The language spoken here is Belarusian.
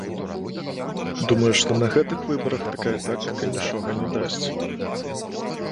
Думаю, што на гэтых выбарах такая тактыка нічога не дасць.